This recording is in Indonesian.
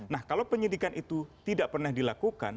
nah kalau penyidikan itu tidak pernah dilakukan